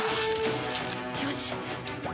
よし！